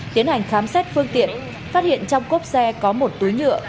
tiến hành khám xét phương tiện phát hiện trong cốp xe có một túi nhựa